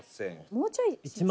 もうちょい。